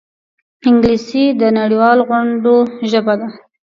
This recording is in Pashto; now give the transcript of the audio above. انګلیسي د نړيوالو غونډو ژبه ده